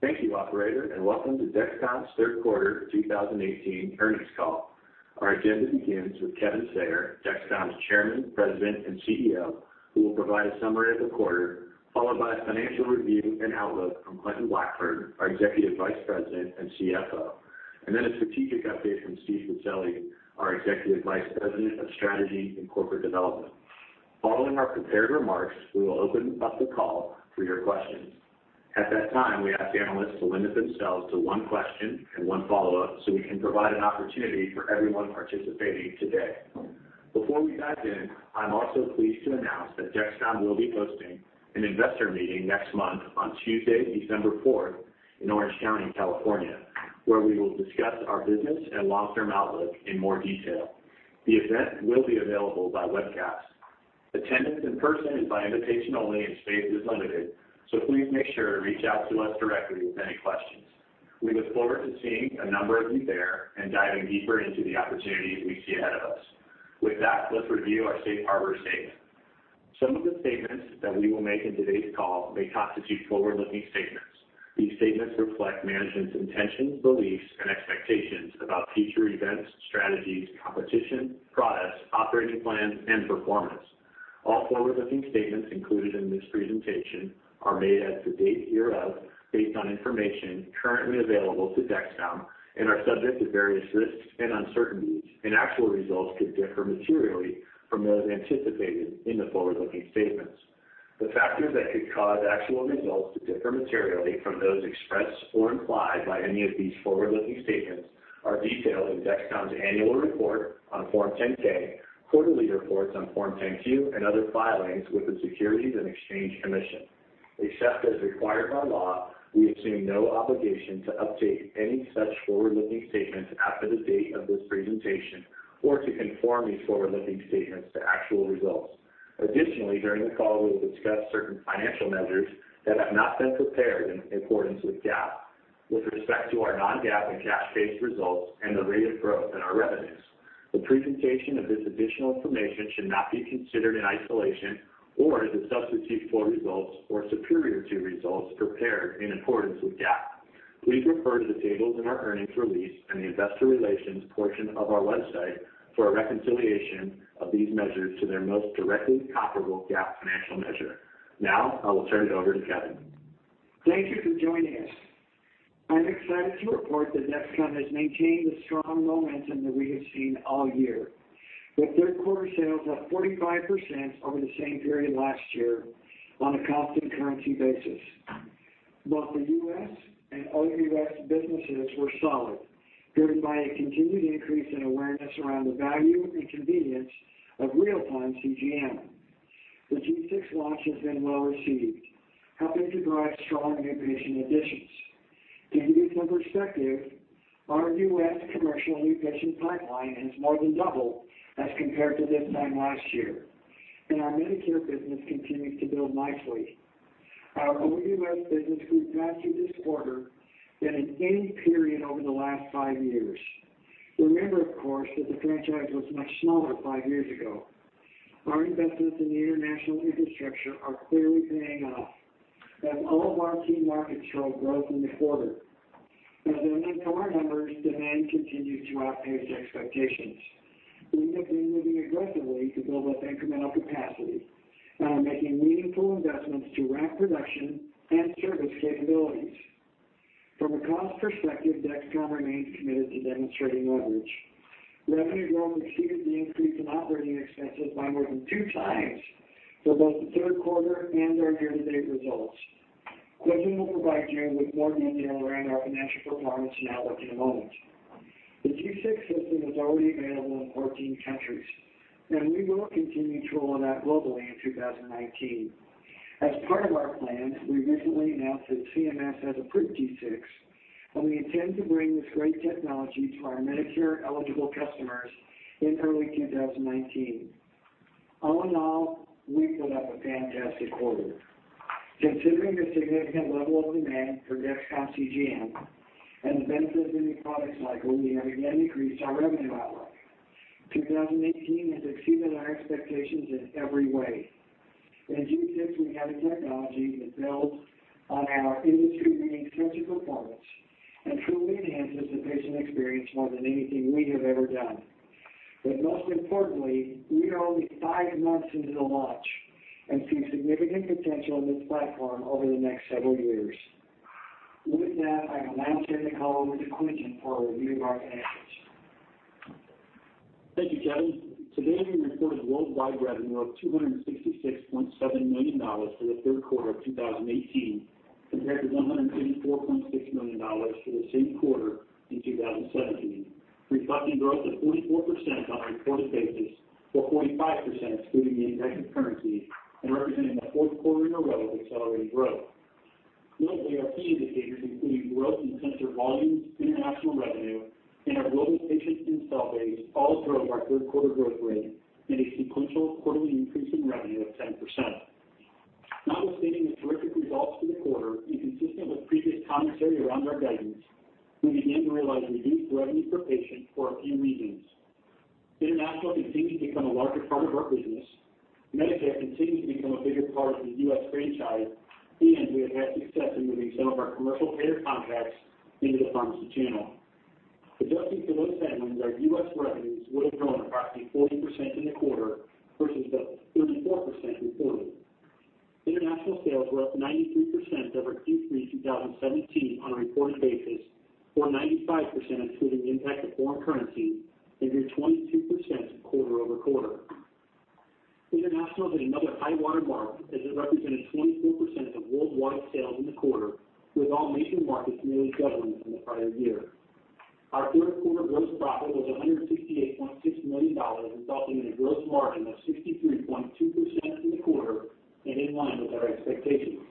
Thank you, operator, and welcome to Dexcom's Third Quarter 2018 Earnings Call. Our agenda begins with Kevin Sayer, Dexcom's Chairman, President, and CEO, who will provide a summary of the quarter, followed by a financial review and outlook from Quentin Blackford, our Executive Vice President and CFO. Then a strategic update from Steve Pacelli, our Executive Vice President of Strategy and Corporate Development. Following our prepared remarks, we will open up the call for your questions. At that time, we ask analysts to limit themselves to one question and one follow-up, so we can provide an opportunity for everyone participating today. Before we dive in, I'm also pleased to announce that Dexcom will be hosting an investor meeting next month on Tuesday, December 4th, in Orange County, California, where we will discuss our business and long-term outlook in more detail. The event will be available by webcast. Attendance in person is by invitation only, and space is limited, so please make sure to reach out to us directly with any questions. We look forward to seeing a number of you there and diving deeper into the opportunities we see ahead of us. With that, let's review our Safe Harbor statement. Some of the statements that we will make in today's call may constitute forward-looking statements. These statements reflect management's intentions, beliefs, and expectations about future events, strategies, competition, products, operating plans, and performance. All forward-looking statements included in this presentation are made as of the date hereof, based on information currently available to Dexcom, and are subject to various risks and uncertainties, and actual results could differ materially from those anticipated in the forward-looking statements. The factors that could cause actual results to differ materially from those expressed or implied by any of these forward-looking statements are detailed in Dexcom's annual report on Form 10-K, quarterly reports on Form 10-Q, and other filings with the Securities and Exchange Commission. Except as required by law, we assume no obligation to update any such forward-looking statements after the date of this presentation, or to conform these forward-looking statements to actual results. Additionally, during the call, we will discuss certain financial measures that have not been prepared in accordance with GAAP, with respect to our non-GAAP and cash-based results and the rate of growth in our revenues. The presentation of this additional information should not be considered in isolation, or as a substitute for results or superior to results prepared in accordance with GAAP. Please refer to the tables in our earnings release, and the investor relations portion of our website for a reconciliation of these measures to their most directly comparable GAAP financial measure. Now, I will turn it over to Kevin. Thank you for joining us. I'm excited to report that Dexcom has maintained the strong momentum that we have seen all year, with third-quarter sales up 45% over the same period last year on a constant currency basis. Both the U.S. and OUS businesses were solid, driven by a continued increase in awareness around the value and convenience of real-time CGM. The G6 launch has been well received, helping to drive strong [new patient additions]. To give you some perspective, our U.S. commercial new patient pipeline has more than doubled as compared to this time last year, and our Medicare business continues to build nicely. Our OUS business grew faster this quarter than in any period over the last five years. Remember of course, that the franchise was much smaller five years ago. Our investments in the international infrastructure are clearly paying off, and all of our key markets showed growth in the quarter. As I mentioned in our numbers, demand continues to outpace expectations. We have been moving aggressively to build up incremental capacity, and are making meaningful investments to ramp production and service capabilities. From a cost perspective, Dexcom remains committed to demonstrating leverage. Revenue growth exceeded the increase in operating expenses by more than 2x, for both the third quarter and our year-to-date results. Quentin will provide you with more detail around our financial performance and outlook in a moment. The G6 system is already available in 14 countries, and we will continue to roll it out globally in 2019. As part of our plans, we recently announced that CMS has approved G6, and we intend to bring this great technology to our Medicare-eligible customers in early 2019. All in all, we put up a fantastic quarter. Considering the significant level of demand for Dexcom CGM and the benefits of new products cycle, we have again increased our revenue outlook. 2018 has exceeded our expectations in every way. In G6, we have a technology that builds on our industry-leading [sensor performance] and truly enhances the patient experience more than anything we have ever done. Most importantly, we are only five months into the launch and see significant potential in this platform over the next several years. With that, I'm announcing the call over to Quentin for a review of our financials. Thank you, Kevin. Today, we reported worldwide revenue of $266.7 million for the third quarter of 2018, compared to $184.6 million for the same quarter in 2017, reflecting growth of 44% on a reported basis or 45% excluding the impact of currency and representing the fourth quarter in a row of accelerating growth. Notably, our key indicators, including growth in sensor volumes, international revenue, and our global patient install base, all drove our third-quarter growth rate and a sequential quarterly increase in revenue of 10%. Notwithstanding the terrific results for the quarter and consistent with previous commentary around our guidance, we began to realize reduced revenue per patient for a few reasons. International continues to become a larger part of our business. Medicare continues to become a bigger part of the U.S. franchise, and we have had success in moving some of our commercial payer contracts into the pharmacy channel. Adjusting for those headwinds, our U.S. revenues would have grown approximately 40% in the quarter versus the 34% reported. International sales were up 93% over Q3 2017 on a reported basis, or 95% excluding the impact of foreign currency and grew 22% quarter over quarter. International hit another high-water mark, as it represented 24% of worldwide sales in the quarter, with all major markets nearly doubling from the prior year. Our third-quarter gross profit was $168.6 million, resulting in a gross margin of 63.2% in the quarter and in line with our expectations.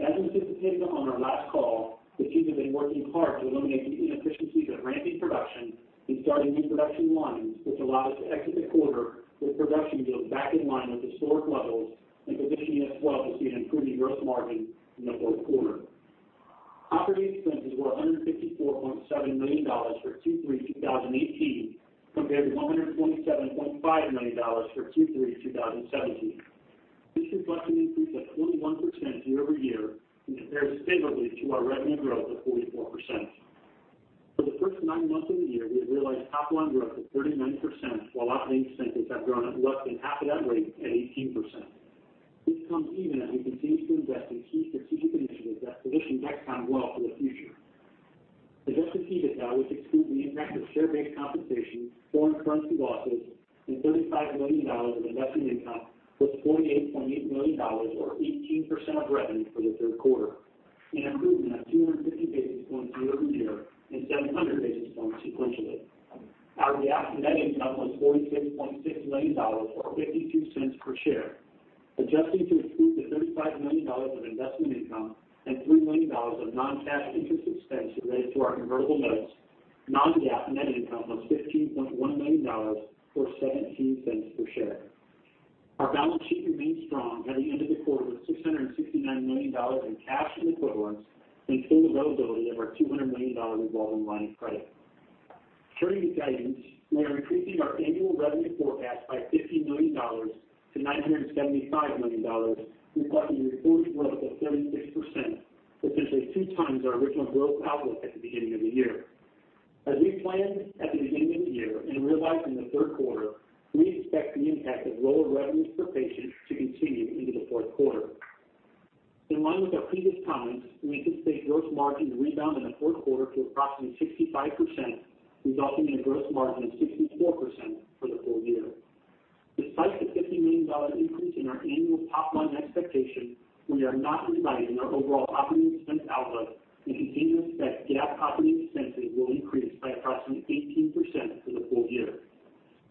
As anticipated on our last call, the team has been working hard to eliminate the inefficiencies of ramping production and starting new production lines, which allowed us to exit the quarter with production yields back in line with historic levels, and positioning us well to see an improving gross margin in the fourth quarter. Operating expenses were $154.7 million for Q3 2018, compared to $127.5 million for Q3 2017. This reflects an increase of 21% year-over-year, and compares favorably to our revenue growth of 44%. For the first nine months of the year, we have realized top-line growth of 39%, while operating expenses have grown at less than half of that rate, at 18%. This comes even as we continue to invest in key strategic initiatives that position Dexcom well for the future. Adjusting EBITDA, which exclude the impact of share-based compensation, foreign currency losses, and $35 million of investment income, plus $48.8 million or 18% of revenue for the third quarter, an improvement of 250 basis points year over year and 700 basis points sequentially. Our GAAP net income was $46.6 million or $0.52 per share. Adjusting to exclude the $35 million of investment income, and $3 million of non-cash interest expense related to our convertible notes, non-GAAP net income was $15.1 million or $0.17 per share. Our balance sheet remains strong by the end of the quarter, with $669 million in cash and equivalents and full availability of our $200 million revolving line of credit. Turning to guidance, we are increasing our annual revenue forecast by $50 million to $975 million, reflecting a reported growth of 36%, essentially 2x our original growth outlook at the beginning of the year. As we planned at the beginning of the year and realized in the third quarter, we expect the impact of lower revenues per patient to continue into the fourth quarter. In line with our previous comments, we anticipate gross margins rebound in the fourth quarter to approximately 65%, resulting in a gross margin of 64% for the full year. Despite the $50 million increase in our annual top-line expectation, we are not revising our overall operating expense outlook and continue to expect GAAP operating expenses will increase by approximately 18% for the full year.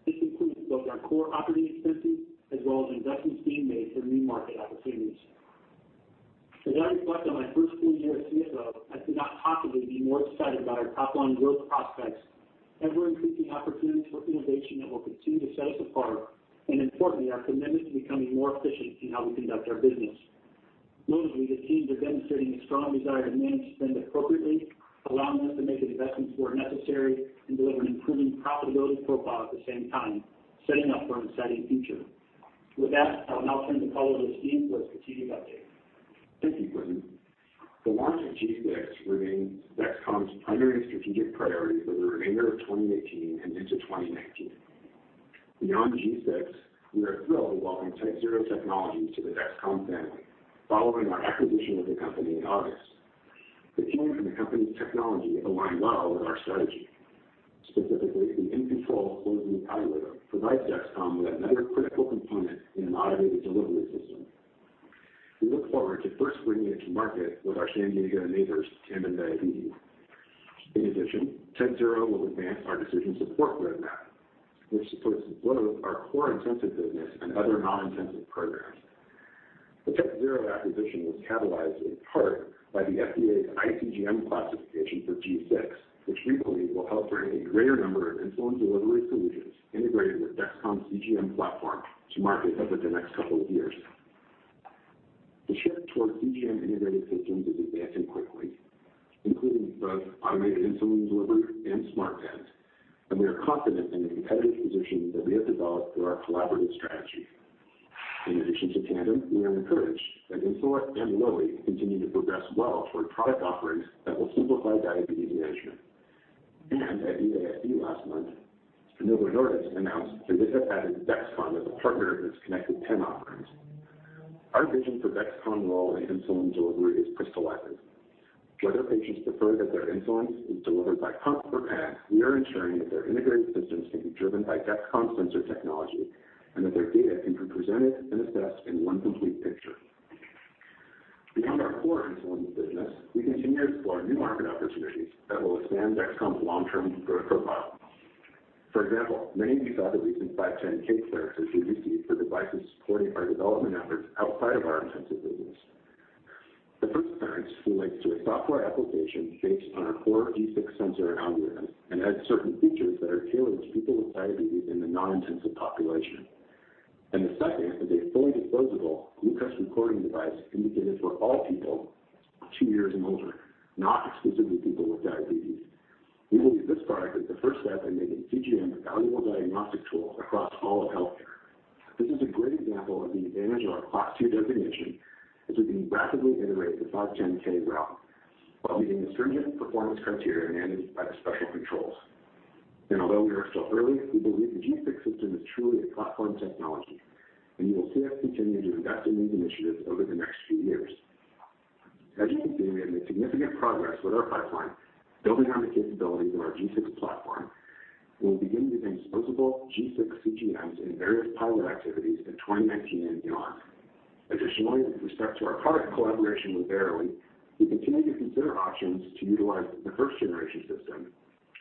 This includes both our core operating expenses, as well as investments being made for new market opportunities. As I reflect on my first full year as CFO, I could not possibly be more excited about our top-line growth prospects, ever-increasing opportunities for innovation that will continue to set us apart, and importantly, our commitment to becoming more efficient in how we conduct our business. Notably, the teams are demonstrating a strong desire to manage spend appropriately, allowing us to make investments where necessary and deliver an improving profitability profile at the same time, setting up for an exciting future. With that, I will now turn the call over to Steve for a strategic update. Thank you, Quentin. The launch of G6 remains Dexcom's primary strategic priority for the remainder of 2018 and into 2019. Beyond G6, we are thrilled to welcome TypeZero technology to the Dexcom family, following our acquisition of the company in August. the company's technology aligns well with our strategy. Specifically, the provides Dexcom with another critical component in an automated delivery system. We look forward to first bringing it to market with our San Diego neighbors, [Tandem Diabetes Care]. In addition, TypeZero will advance our decision support roadmap, which supports both our core intensive business and other non-intensive programs. The TypeZero acquisition was catalyzed in part by the FDA's iCGM classification for G6, which we believe will help bring a greater number of insulin delivery solutions, integrated with Dexcom's CGM platform to market over the next couple of years. The shift towards CGM integrated systems is advancing quickly, including both automated insulin delivery and smart pens. We are confident in the competitive position that we have developed through our collaborative strategy. In addition to Tandem, we are encouraged that Insulet and Lilly continue to progress well toward product offerings that will simplify diabetes management. At EASD last month, Novo Nordisk announced that it has added Dexcom as a partner in its connected pen offerings. Our vision for Dexcom's role in insulin delivery is crystallizing. Whether patients prefer that their insulin is delivered by pump or pen, we are ensuring that their integrated systems can be driven by Dexcom sensor technology, and that their data can be presented and assessed in one complete picture. Beyond our core insulin business, we continue to explore new market opportunities that will expand Dexcom's long-term growth profile. For example, many of you saw the recent 510(k) clearances we received for devices supporting our development efforts outside of our intensive business. The first clearance relates to a software application based on our core G6 sensor algorithm, and has certain features that are tailored to people with diabetes in the non-intensive population. The second is a fully disposable glucose recording device indicated for all people two years and older, not exclusively people with diabetes. We believe this product is the first step in making CGM a valuable diagnostic tool across all of healthcare. This is a great example of the advantage of our Class II designation, as we can rapidly iterate the 510(k) route while meeting the stringent performance criteria managed by the special controls. Although we are still early, we believe the G6 system is truly a platform technology, and you will see us continue to invest in these initiatives over the next few years. As you can see, we have made significant progress with our pipeline, building on the capabilities of our G6 platform. We begin to use disposable G6 CGMs in various pilot activities in 2019 and beyond. Additionally, with respect to our current collaboration with Verily, we continue to consider options to utilize the first-generation system,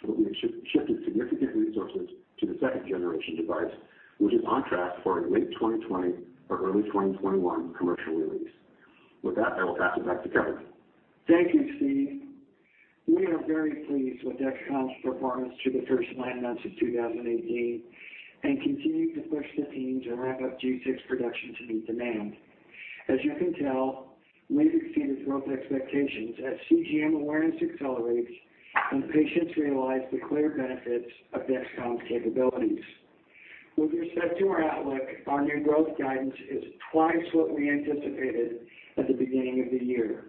but we have shifted significant resources to the second-generation device, which is on track for a late 2020 or early 2021 commercial release. With that, I will pass it back to Kevin. Thank you, Steve. We are very pleased with Dexcom's performance through the first five months of 2018, and continue to push the team to ramp up G6 production to meet demand. As you can tell, we have exceeded growth expectations, as CGM awareness accelerates and patients realize the clear benefits of Dexcom's capabilities. With respect to our outlook, our new growth guidance is twice what we anticipated at the beginning of the year.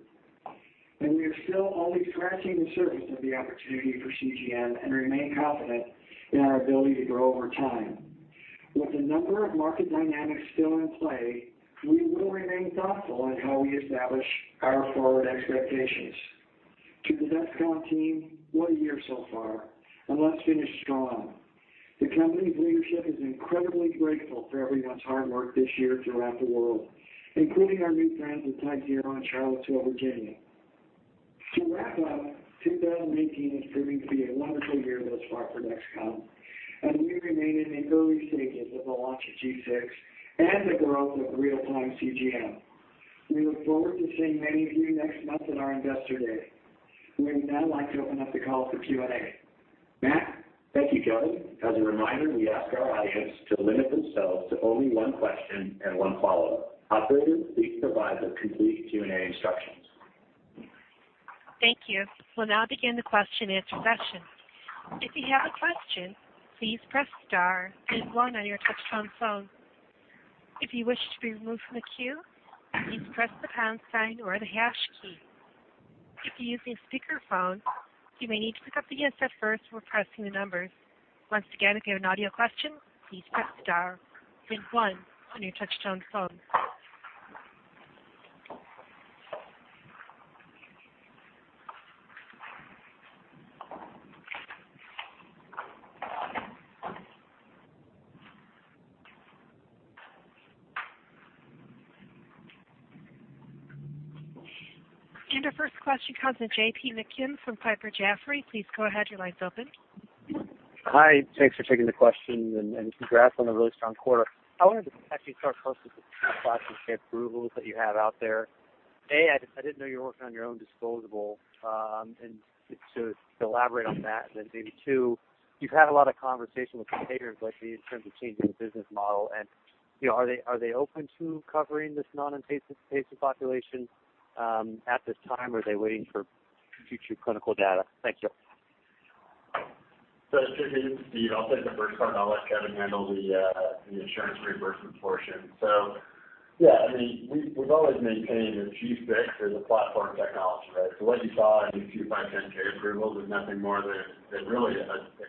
We are still only scratching the surface of the opportunity for CGM, and remain confident in our ability to grow over time. With a number of market dynamics still in play, we will remain thoughtful in how we establish our forward expectations. To the Dexcom team, what a year so far, and let's finish strong. The company's leadership is incredibly grateful for everyone's hard work this year throughout the world, including our new friends at TypeZero in Charlottesville, Virginia. To wrap up, 2018 is proving to be a wonderful year thus far for Dexcom, as we remain in the early stages of the launch of G6 and the growth of real-time CGM. We look forward to seeing many of you next month at our Investor Day. We would now like to open up the call for Q&A. Matt. Thank you, Kevin. As a reminder, we ask our audience to limit themselves to only one question and one follow-up. Operator, please provide the complete Q&A instructions. Thank you. We'll now begin the question-and-answer session. If you have a question, please press star then one on your touch-tone phone. If you wish to be removed from the queue, please press the pound sign or the hash key. If you're using a speakerphone, you may need to pick up the handset first before pressing the numbers. Once again, if you have a question, please press star then one on your touch-tone phone. Our first question comes from J.P. McKim from Piper Jaffray. Please go ahead. Your line's open. Hi. Thanks for taking the question, and congrats on a really strong quarter. I wanted to actually start first with the that you have out there. A, I didn't know you were working on your own disposable. To elaborate on that, and then maybe two, you've had a lot of conversation with the payers lately in terms of changing the business model. Are they open to covering this non-intensive patient population at this time, or are they waiting for future clinical data? Thank you. This is Steve. I'll take the first part, and I'll let Kevin handle the insurance reimbursement portion. Yeah, I mean, we've always maintained that G6 is a platform technology, right? What you saw in these two 510(k) approvals is nothing more than really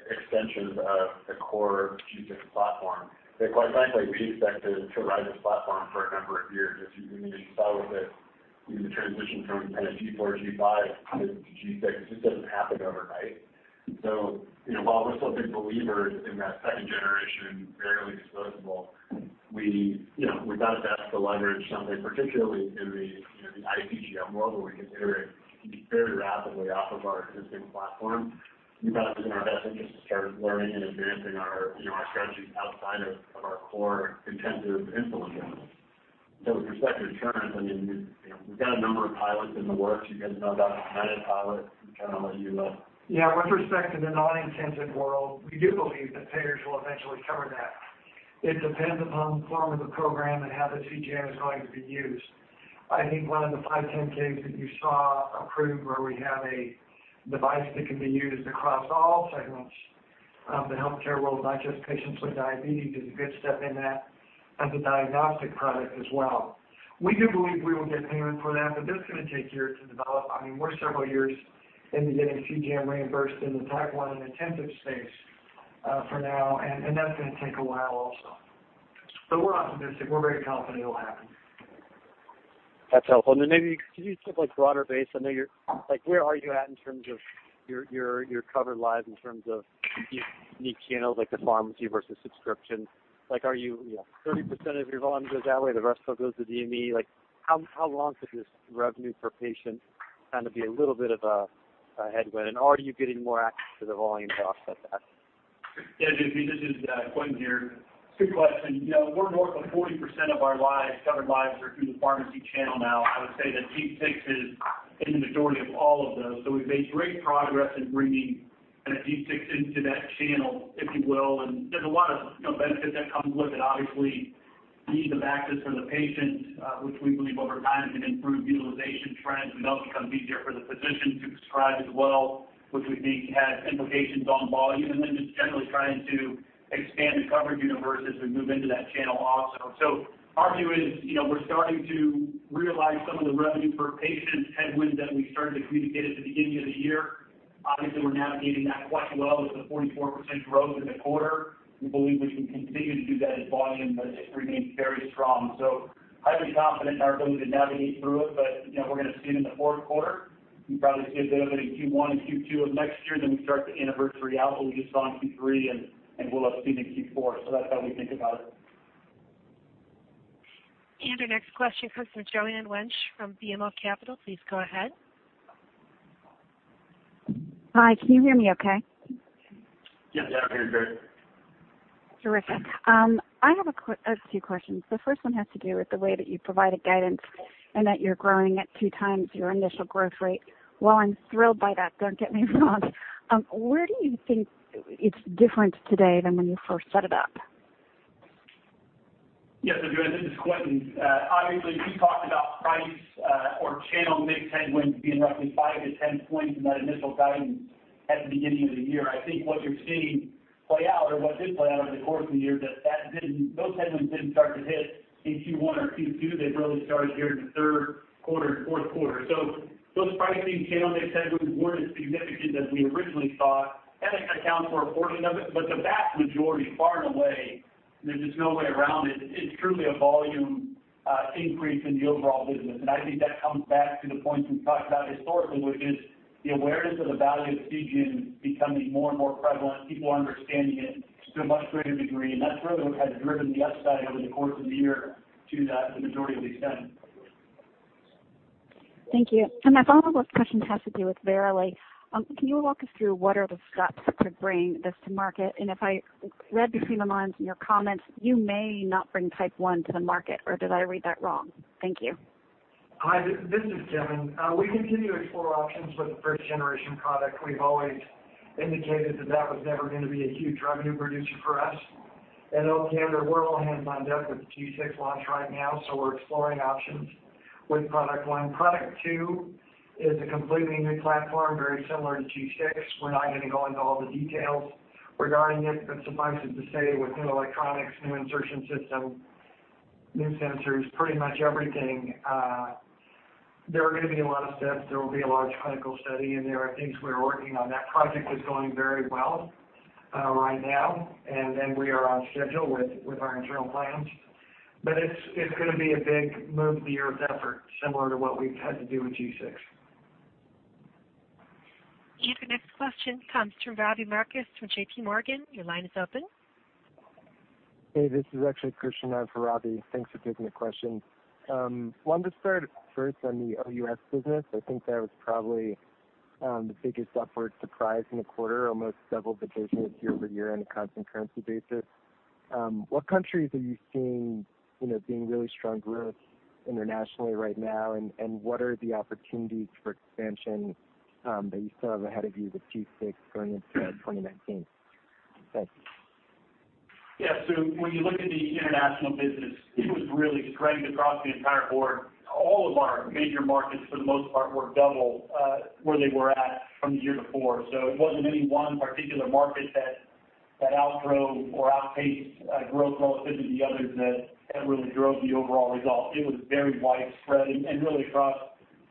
extensions of the core G6 platform. Quite frankly, we expected to ride this platform for a number of years. As you saw with the transition from G4, G5 to G6, it just doesn't happen overnight. While we're still big believers in that second-generation Verily disposable, we thought it best to leverage something particularly in the iCGM world, where we can iterate very rapidly off of our existing platform. We thought it was in our best interest to start learning and advancing our strategy outside of our core intensive insulin business. With respect to insurance, I mean, we've got a number of pilots in the works. You guys know about the United pilot. Kevin will let you know. Yeah. With respect to the non-intensive world, we do believe that payers will eventually cover that. It depends upon the form of the program and how the CGM is going to be used. I think one of the 510(k)s that you saw approved, where we have a device that can be used across all segments of the healthcare world, not just patients with diabetes, is a good step in that as a diagnostic product as well. We do believe we will get payment for that, but that's going to take years to develop. I mean, we're several years into getting CGM reimbursed in the type 1 and intensive space for now, and that's going to take a while also, but we're optimistic. We're very confident it'll happen. That's helpful. Then maybe could you give a broader base? Like, where are you at in terms of your covered lives in terms of these unique channels like the pharmacy versus subscription? Are you, 30% of your volume goes that way, the rest still goes to DME? How long could this revenue per patient kind of be a little bit of a headwind? Are you getting more access to the volume drops like that? Yeah. J.P., this is Quentin here. It's a good question. We're north of 40% of our lives, covered lives are through the pharmacy channel now. I would say that G6 is in the majority of all of those. We've made great progress in bringing kind of G6 into that channel, if you will. There's a lot of benefit that comes with it. Obviously, ease of access for the patient, which we believe over time can improve utilization trends. We know it becomes easier for the physician to prescribe as well, which we think has implications on volume, and then just generally trying to expand the coverage universe as we move into that channel also. Our view is, we're starting to realize some of the revenue per patient headwinds that we started to communicate at the beginning of the year. Obviously, we're navigating that quite well, with the 44% growth in the quarter. We believe we can continue to do that as volume remains very strong, so highly confident in our ability to navigate through it, but we're going to see it in the fourth quarter. We probably see a bit of it in Q1 and Q2 of next year, then we start the anniversary out where we just saw in Q3 and we'll have seen in Q4. That's how we think about it. Our next question comes from Joanne Wuensch from BMO Capital. Please go ahead. Hi. Can you hear me okay? Yes, I can hear you great. Terrific. I have a few questions. The first one has to do with the way that you provided guidance, and that you're growing at 2x your initial growth rate. Well, I'm thrilled by that. Don't get me wrong. Where do you think it's different today than when you first set it up? Yes, Joanne. This is Quentin. Obviously, we talked about price or channel mix headwinds being roughly 5-10 points in that initial guidance at the beginning of the year. I think what you're seeing play out or what did play out over the course of the year, is that those headwinds didn't start to hit in Q1 or Q2. They've really started here in the third quarter and fourth quarter, so those pricing channel mix headwinds weren't as significant as we originally thought. That accounts for a portion of it, but the vast majority, far and away, there's just no way around it. It's truly a volume increase in the overall business. I think that comes back to the points we've talked about historically, which is the awareness of the value of CGM becoming more and more prevalent. People are understanding it to a much greater degree. That's really what has driven the upside over the course of the year to the majority of the extent. Thank you. My follow-up question has to do with Verily. Can you walk us through, what are the steps to bring this to market? If I read between the lines in your comments, you may not bring type 1 to the market or did I read that wrong? Thank you. Hi, this is Kevin. We continue to explore options with the first-generation product. We've always indicated that that was never going to be a huge revenue producer for us. In all candor, we're all hands on deck with the G6 launch right now, so we're exploring options with product one. Product two is a completely new platform, very similar to G6. We're not going to go into all the details regarding it, but suffice it to say, with new electronics, new insertion system, new sensors, pretty much everything, there are going to be a lot of steps. There will be a large clinical study, and there are things we're working on. That project is going very well right now, and then we are on schedule with our internal plans. It's going to be a big move to the effort, similar to what we've had to do with G6. Our next question comes from Robbie Marcus from JPMorgan. Your line is open. Hey, this is actually Christian on for Robbie. Thanks for taking the question. Well, I'm just starting first on the OUS business. I think that was probably the biggest upward surprise in the quarter, almost double the business year over year on a constant currency basis. What countries are you seeing being really strong growth internationally right now, and what are the opportunities for expansion that you still have ahead of you with G6 going into 2019? Thanks. Yeah. When you look at the international business, it was really spreading across the entire board. All of our major markets, for the most part, were double where they were at from the year before. It wasn't any one particular market that outgrew, or outpaced growth relative to the others that really drove the overall result. It was very widespread and really across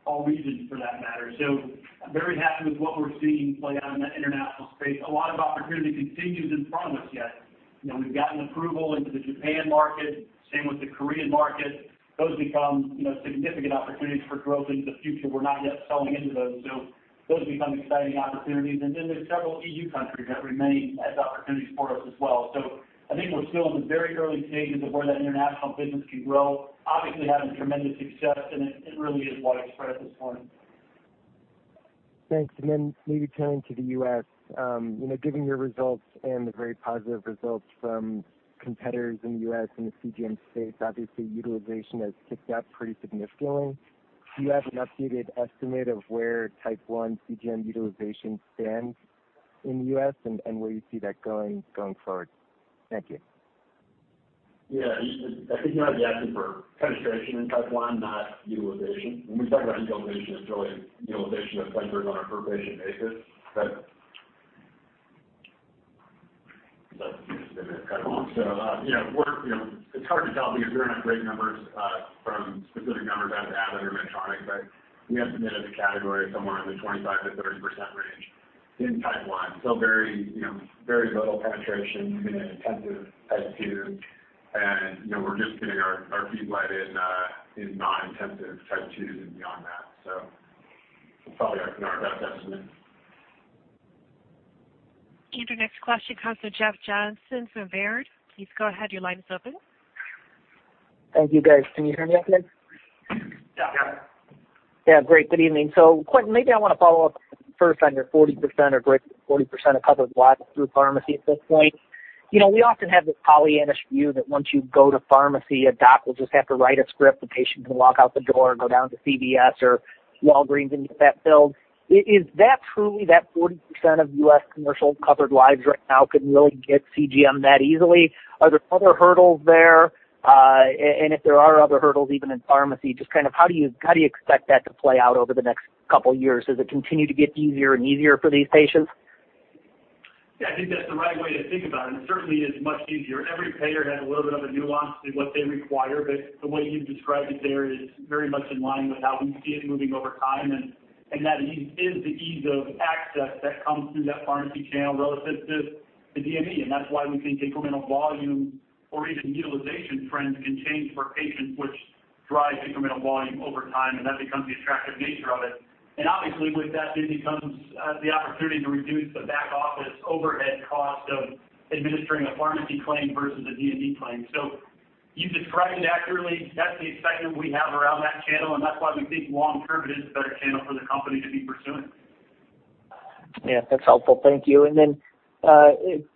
all regions for that matter, so I'm very happy with what we're seeing play out in that international space. A lot of opportunity continues in front of us yet. We've gotten approval into the Japan market, same with the Korean market. Those become significant opportunities for growth into the future. We're not yet selling into those, so those become exciting opportunities. Then there's several EU countries that remain as opportunities for us as well. I think we're still in the very early stages of where that international business can grow. Obviously, having tremendous success, and it really is widespread at this point. Thanks. Then maybe turning to the U.S., given your results and the very positive results from competitors in the U.S. and the CGM space, obviously utilization has ticked up pretty significantly. Do you have an updated estimate of where type 1 CGM utilization stands in the U.S., and where you see that going forward? Thank you. Yeah. I think you might be asking for penetration in type 1, not utilization. When we talk about utilization, it's really utilization of sensors on a per-patient basis, but that's. It's hard to tell because we don't have great numbers from specific numbers out of Abbott or Medtronic, but we estimate as a category somewhere in the 25%-30% range in type 1. Still very little penetration in an intensive type 2, and we're just getting our feet wet in non-intensive type 2s and beyond that, so probably our best estimate. Our next question comes from Jeff Johnson from Baird. Please go ahead. Your line is open. Thank you, guys. Can you hear me okay? Yeah. Yeah, great. Good evening. Quentin, maybe I want to follow up first on your 40% or greater than 40% of covered lives through pharmacy at this point. We often have this Pollyannish view that once you go to pharmacy, a doc will just have to write a script. The patient can walk out the door or go down to CVS or Walgreens and get that filled. Is that truly that 40% of U.S. commercial covered lives right now can really get CGM that easily? Are there other hurdles there? If there are other hurdles, even in pharmacy, just how do you expect that to play out over the next couple of years? Does it continue to get easier and easier for these patients? Yeah. I think that's the right way to think about it. It certainly is much easier. Every payer has a little bit of a nuance to what they require, but the way you've described it there is very much in line with how we see it moving over time. That is the ease of access that comes through that pharmacy channel relative to DME. That's why we think incremental volume or even utilization trends can change for patients, which drives incremental volume over time and that becomes the attractive nature of it. Obviously, with that, then it becomes the opportunity to reduce the back office overhead cost of administering a pharmacy claim versus a DME claim. You described it accurately. That's the excitement we have around that channel, and that's why we think long-term, it is a better channel for the company to be pursuing. Yeah, that's helpful. Thank you. Then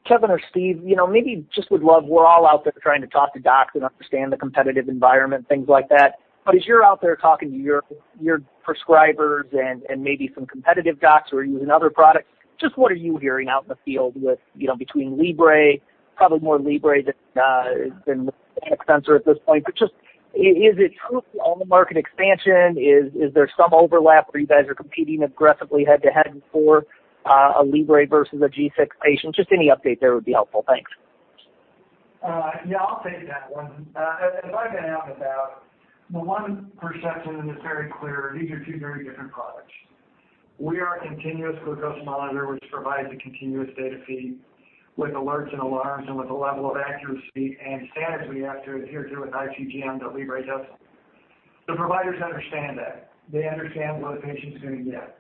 Kevin or Steve, we're all out there trying to talk to docs and understand the competitive environment, things like that. As you're out there talking to your prescribers, and maybe some competitive docs who are using other products, just what are you hearing out in the field between Libre, probably more Libre than the [Medtronic] at this point? Just, is it truly on the market expansion? Is there some overlap where you guys are competing aggressively head-to-head for a Libre versus a G6 patient? Just any update there would be helpful. Thanks. Yeah, I'll take that one. As I've been out and about, the one perception that is very clear, these are two very different products. We are a continuous glucose monitor, which provides a continuous data feed with alerts and alarms, and with a level of accuracy and standards we have to adhere to with iCGM that Libre does. The providers understand that. They understand what a patient's going to get.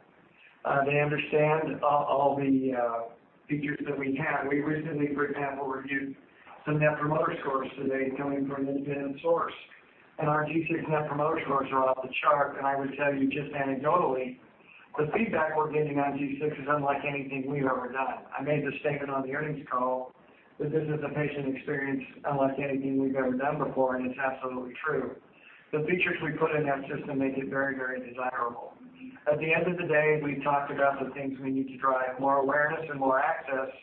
They understand all the features that we have. We recently, for example, reviewed some Net Promoter Scores today coming from an independent source. Our G6 Net Promoter Scores are off the chart. I would tell you just anecdotally, the feedback we're getting on G6 is unlike anything we've ever done. I made the statement on the earnings call, that this is a patient experience unlike anything we've ever done before, and it's absolutely true. The features we put in that system make it very, very desirable. At the end of the day, we've talked about the things we need to drive more awareness and more access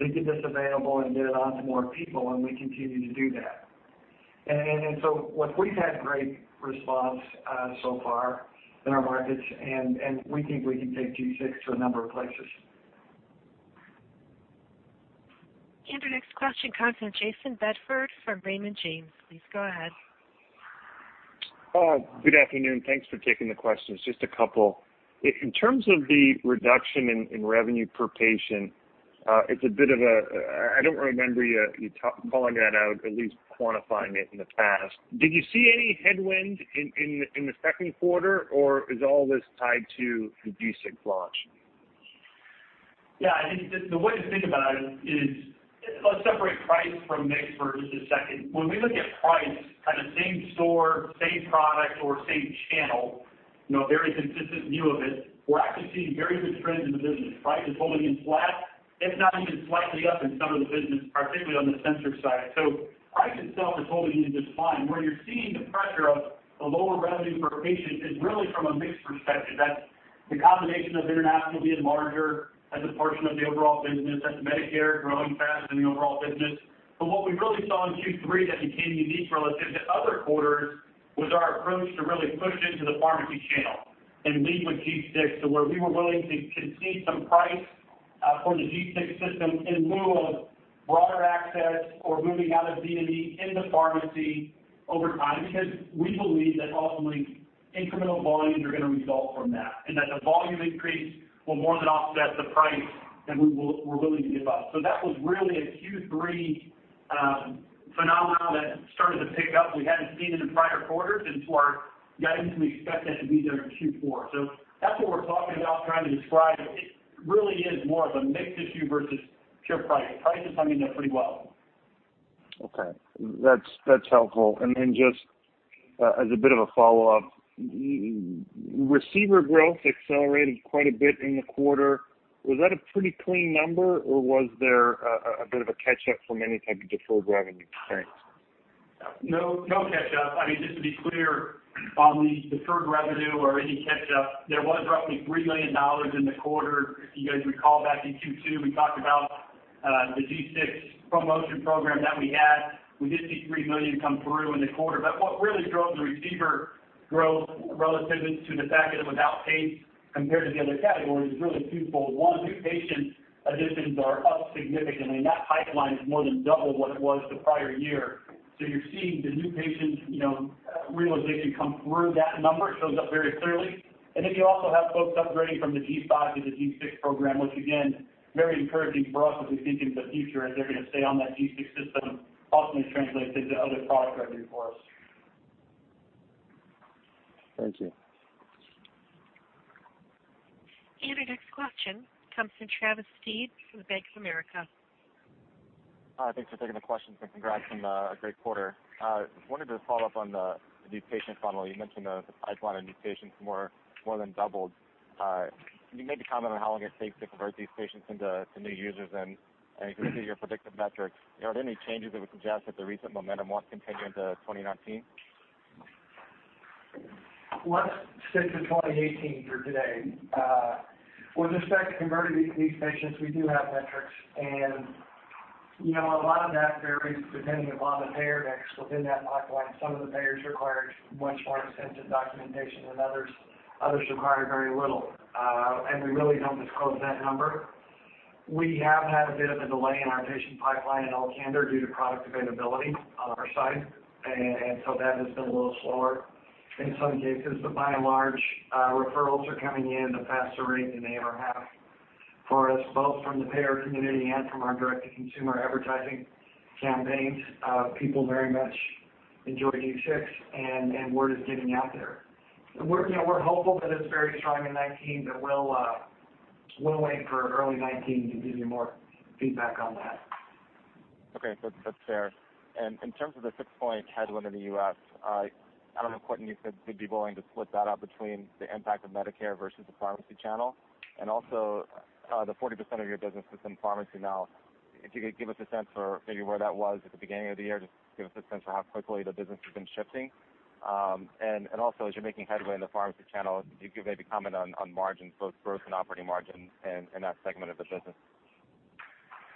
to get this available, and get it on to more people, and we continue to do that. We've had great response so far in our markets, and we think we can take G6 to a number of places. Our next question comes from Jayson Bedford from Raymond James. Please go ahead. Good afternoon. Thanks for taking the question. It's just a couple. In terms of the reduction in revenue per patient, I don't remember you calling that out, at least quantifying it in the past. Did you see any headwind in the second quarter, or is all this tied to the G6 launch? Yeah. I think the way to think about it is, let's separate price from [mix] versus the second. When we look at price, kind of same store, same product, or same channel, very consistent view of it, we're actually seeing very good trends in the business. Price is holding in flat, if not even slightly up in some of the business, particularly on the sensor side, so price itself is holding in just fine. Where you're seeing the pressure of a lower revenue per patient is really from a mixed perspective. That's the combination of international being larger as a portion of the overall business, that's Medicare growing fast in the overall business. What we really saw in Q3 that became unique relative to other quarters, was our approach to really push into the pharmacy channel and lead with G6 to where we were willing to concede some price for the G6 system, in lieu of broader access or moving out of DME into pharmacy over time. We believe that ultimately incremental volumes are going to result from that, and that the volume increase will more than offset the price that we're willing to give up. That was really a Q3 phenomenon that started to pick up, we hadn't seen in the prior quarters. To our guidance, we expect that to be there in Q4, so that's what we're talking about, trying to describe. It really is more of a mixed issue versus pure price. Price is hung in there pretty well. Okay, that's helpful. Then just as a bit of a follow-up, receiver growth accelerated quite a bit in the quarter. Was that a pretty clean number, or was there a bit of a catch-up from any type of deferred revenue? Thanks. No catch-up. I mean, just to be clear on the deferred revenue or any catch-up, there was roughly $3 million in the quarter. If you guys recall back in Q2, we talked about the G6 promotion program that we had. We did see $3 million come through in the quarter. What really drove the receiver growth relative to the fact that it was outpaced compared to the other categories is really twofold. One, new patient additions are up significantly, and that pipeline is more than double what it was the prior year. You're seeing the new patient realization come through that number. It shows up very clearly. Then you also have folks upgrading from the G5 to the G6 program, which again, very encouraging for us as we think into the future, as they're going to stay on that G6 system. Ultimately, it translates into other products revenue for us. Thank you. Our next question comes from Travis Steed from the Bank of America. Hi. Thanks for taking the question. Congrats on a great quarter. I wanted to follow up on the new patient funnel. You mentioned the pipeline of new patients more than doubled. You made the comment on how long it takes to convert these patients into new users. If you look at your predictive metrics, are there any changes that would suggest that the recent momentum won't continue into 2019? Let's stick to 2018 for today. With respect to converting these patients, we do have metrics. A lot of that varies depending upon the payer mix within that pipeline. Some of the payers require much more extensive documentation than others. Others require very little, and we really don't disclose that number. We have had a bit of a delay in our patient pipeline in all candor due to product availability on our side, and so that has been a little slower in some cases. By and large, referrals are coming in at a faster rate than they ever have for us, both from the payer community and from our direct-to-consumer advertising campaigns. People very much enjoy G6, and word is getting out there. We're hopeful that it's very strong in 2019, but we'll wait for early 2019 to give you more feedback on that. Okay, that's fair. In terms of the six-point headwind in the U.S., I don't know, Quentin, you said you'd be willing to split that out between the impact of Medicare versus the pharmacy channel. Also, the 40% of your business is in pharmacy now. If you could give us a sense for maybe where that was at the beginning of the year, just give us a sense for how quickly the business has been shifting. Also, as you're making headway in the pharmacy channel, could you give maybe a comment on margins, both gross and operating margins in that segment of the business?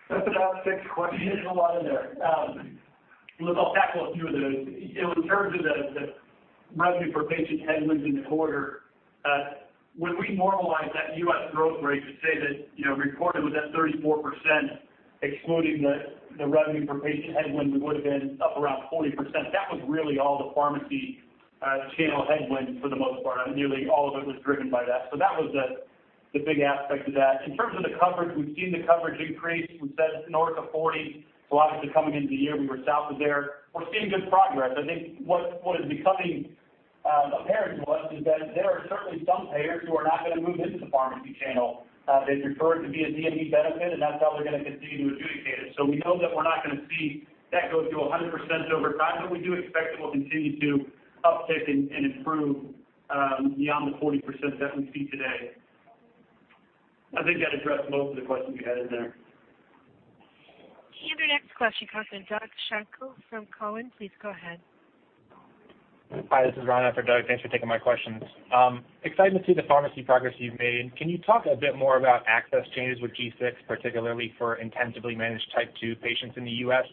That's about six questions. There's a lot in there. Let's unpack a few of those. In terms of the revenue per patient headwinds in the quarter, when we normalize that U.S. growth rate to say that reported was at 34%, excluding the revenue per patient headwind, we would have been up around 40%. That was really all the pharmacy channel headwinds for the most part. Nearly all of it was driven by that, so that was the big aspect of that. In terms of the coverage, we've seen the coverage increase. We said north of 40. Obviously, coming into the year, we were south of there. We're seeing good progress. I think what is becoming apparent to us is that there are certainly some payers who are not going to move into the pharmacy channel. They prefer it to be a DME benefit, and that's how they're going to continue [doing this]. We know that we're not going to see that go to 100% over time, but we do expect it will continue to uptick and improve beyond the 40% that we see today. I think that addressed most of the questions you had in there. Our next question comes from Doug Schenkel from Cowen. Please go ahead. Hi. This is Ryan for Doug. Thanks for taking my questions. Excited to see the pharmacy progress you've made. Can you talk a bit more about access changes with G6, particularly for intensively managed type 2 patients in the U.S.?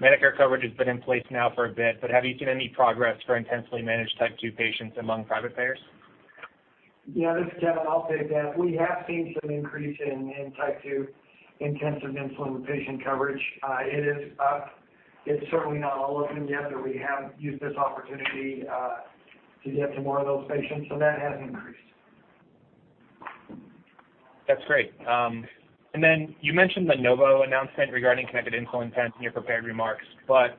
Medicare coverage has been in place now for a bit, but have you seen any progress for intensively managed type 2 patients among private payers? Yeah. This is Kevin. I'll take that. We have seen some increase in type 2 intensive insulin patient coverage. It is up. It's certainly not all of them yet, but we have used this opportunity to get to more of those patients, so that has increased. That's great. Then you mentioned the Novo announcement regarding [connected insulin pens] in your prepared remarks, but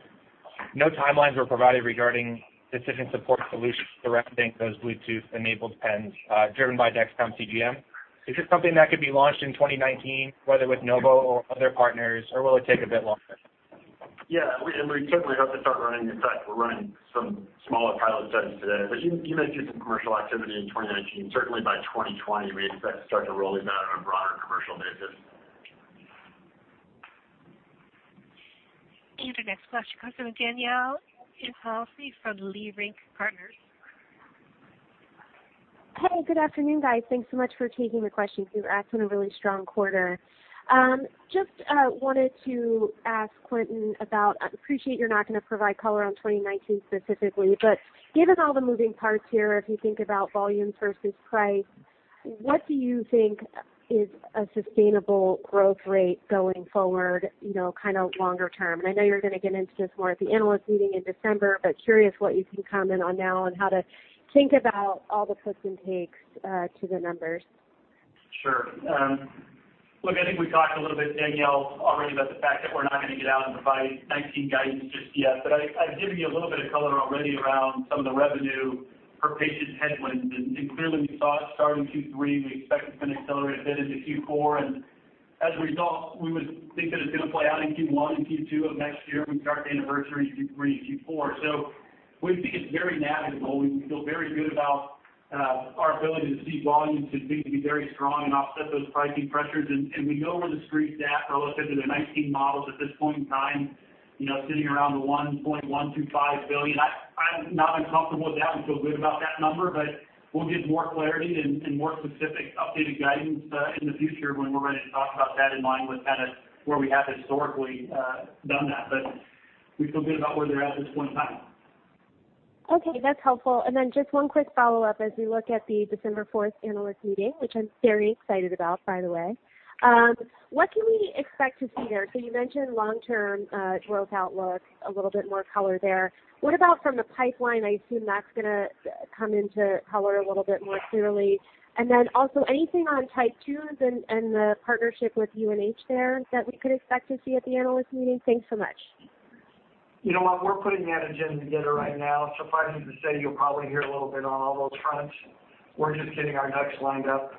no timelines were provided regarding decision support solutions directing those Bluetooth-enabled pens driven by Dexcom CGM. Is this something that could be launched in 2019, whether with Novo or other partners, or will it take a bit longer? Yeah, and we certainly hope to start running. In fact, we're running some smaller pilot studies today, but you may see some commercial activity in 2019. Certainly, by 2020, we expect to start rolling out on a broader commercial basis. Our next question comes from Danielle Antalffy from Leerink Partners. Hi. Good afternoon, guys. Thanks so much for taking the questions. You've had a really strong quarter. Just wanted to ask, Quentin, I appreciate you're not going to provide color on 2019 specifically, but given all the moving parts here, if you think about volumes versus price, what do you think is a sustainable growth rate going forward kind of longer term? I know you're going to get into this more at the analyst meeting in December, but I'm curious what you can comment on now and how to think about all the puts and takes to the numbers. Sure. Look, I think we talked a little bit, Danielle, already about the fact that we're not going to get out and provide 2019 guidance just yet. I've given you a little bit of color already around some of the revenue per patient headwinds. Clearly, we saw it start in Q3. We expect it's going to accelerate a bit into Q4. As a result, we would think that it's going to play out in Q1 and Q2 of next year, when we start the anniversary in Q3 and Q4, so we think it's very navigable. We feel very good about our ability to see volumes continue to be very strong and offset those pricing pressures. We know where the street's at relative to the 2019 models at this point in time, sitting around the $1.125 billion. I'm not uncomfortable with that. We feel good about that number, but we'll give more clarity and more specific updated guidance in the future when we're ready to talk about that in line with kind of where we have historically done that. We feel good about where they're at at this point in time. Okay, that's helpful. Then just one quick follow-up as we look at the December 4th analyst meeting, which I'm very excited about, by the way. What can we expect to see there? You mentioned long-term growth outlook, a little bit more color there. What about from the pipeline? I assume that's going to come into color a little bit more clearly. Then also, anything on type 2s and the partnership with UNH there that we could expect to see at the analyst meeting? Thanks so much. You know what? We're putting that agenda together right now. If I need to say, you'll probably hear a little bit on all those fronts. We're just getting our ducks lined up